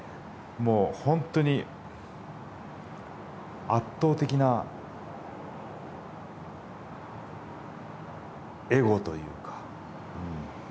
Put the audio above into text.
もうほんとに圧倒的なエゴというか。